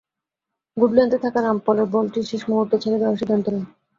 Good লেন্থে থাকা রামপলের বলটি শেষ মুহূর্তে ছেড়ে দেওয়ার সিদ্ধান্ত নেন।